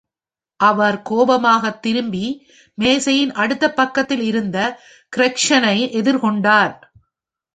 அவர் கோபமாகத் திரும்பி, மேசையின் அடுத்த பக்கத்தில் இருந்த கிரெக்ஸனை எதிர்கொண்டார்.